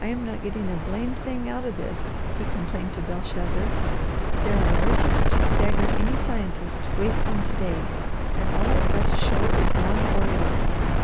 "I am not getting a blame thing out of this," he complained to Belshazzar. "There are riches to stagger any scientist wasting to day, and all I've got to show is one oriole.